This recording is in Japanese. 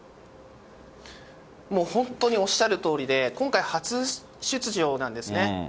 もう本当におっしゃるとおりで、今回初出場なんですね。